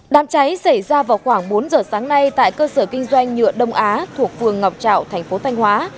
đám cháy xảy ra vào khoảng bốn giờ sáng nay tại cơ sở kinh doanh nhựa đông á thuộc phường ngọc trạo thành phố thanh hóa